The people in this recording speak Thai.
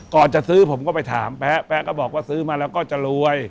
จะซื้อผมก็ไปถามแป๊ก็บอกว่าซื้อมาแล้วก็จะรวย